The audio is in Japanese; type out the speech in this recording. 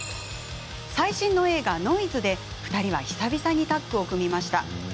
最新の映画「ノイズ」で２人は久々にタッグを組みました。